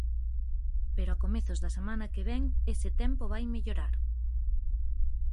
Pero a comezos da semana que vén ese tempo vai mellorar.